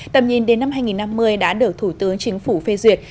tầm nhìn đến năm hai nghìn năm mươi đã được thủ tướng chính phủ phê duyệt